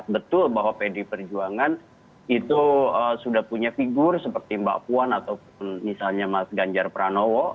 betul bahwa pdi perjuangan itu sudah punya figur seperti mbak puan ataupun misalnya mas ganjar pranowo